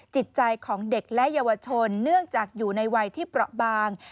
จิตใจของเด็กและเยาวชนเนื่องจากอยู่ในวัยที่เปราะบาง